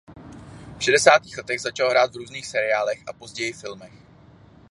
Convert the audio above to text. V šedesátých letech začal hrát v různých seriálech a později filmech.